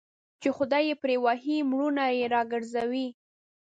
چي خداى يې پري وهي مړونه يې راگرځوي